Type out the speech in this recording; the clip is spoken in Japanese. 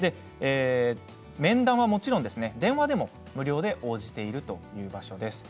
面談はもちろん電話でも無料で応じているということです。